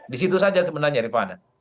disitu saja sebenarnya riffana